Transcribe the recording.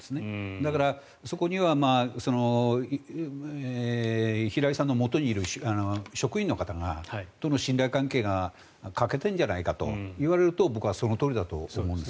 だから、そこには平井さんのもとにいる職員の方との信頼関係が欠けているんじゃないかと言われると僕はそのとおりだと思います。